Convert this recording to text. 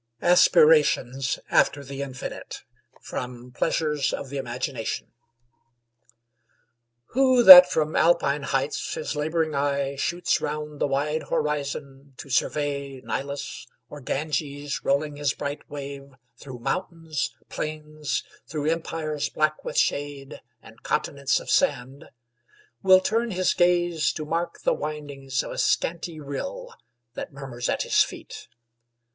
ASPIRATIONS AFTER THE INFINITE From (Pleasures of the Imagination) Who that, from Alpine heights, his laboring eye Shoots round the wide horizon, to survey Nilus or Ganges rolling his bright wave Thro' mountains, plains, thro' empires black with shade, And continents of sand, will turn his gaze To mark the windings of a scanty rill That murmurs at his feet?